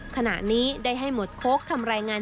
ขณะนี้ได้ให้หมดโค้กทำรายงาน